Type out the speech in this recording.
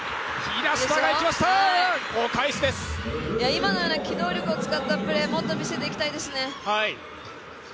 今のような機動力を使ったプレーもっと見せていきたいですね。